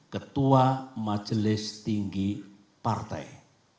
ketua majelis tinggi partai